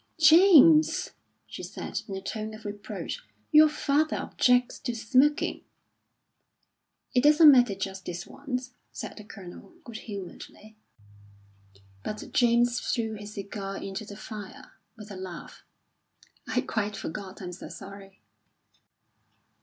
"James!" she said, in a tone of reproach. "Your father objects to smoking." "It doesn't matter just this once," said the Colonel, good humouredly. But James threw his cigar into the fire, with a laugh. "I quite forgot; I'm so sorry."